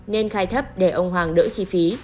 nên khai thấp để ông hoàng đỡ chi phí